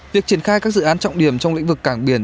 việc triển khai các dự án trọng điểm trong lĩnh vực cảng biển